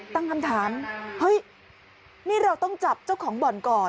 ตั้งคำถามเฮ้ยนี่เราต้องจับเจ้าของบ่อนก่อน